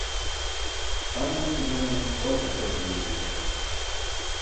han gunce gane walti tʰa rupaya mey biyen.